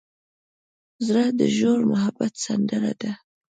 زړه د ژور محبت سندره ده.